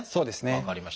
分かりました。